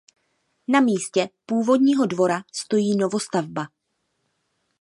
Na místě původního dvora stojí novostavba.